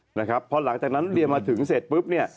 เพราะหลังจากนั้นน้องเดียมาถึงเสร็จปุ๊บ